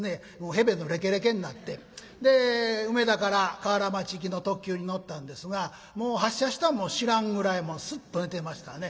へべのれけれけになってで梅田から河原町行きの特急に乗ったんですがもう発車したんも知らんぐらいすっと寝てましたね。